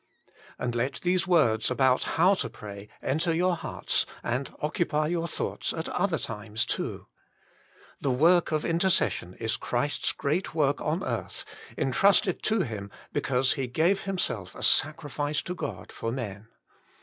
And let these words about How to Pray enter your hearts and occupy your thoughts at other times too. The work of intercession is Christ s great work on earth, intrusted to Him because He gave Himself a sacrifice to God for men.